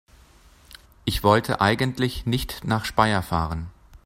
Ich wollte eigentlich nicht nach Speyer fahren